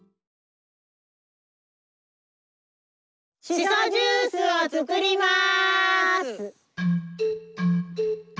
しそジュースを作ります。